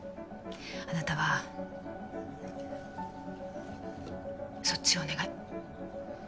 あなたはそっちをお願い。